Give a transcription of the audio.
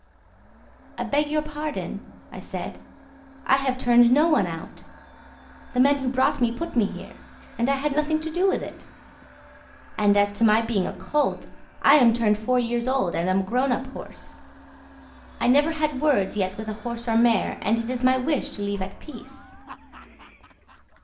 "I beg your pardon," I said, "I have turned no one out; the man who brought me put me here, and I had nothing to do with it; and as to my being a colt, I am turned four years old and am a grown up horse. I never had words yet with horse or mare, and it is my wish to live at peace."